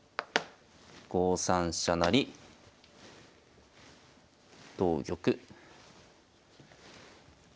５三飛車成同玉。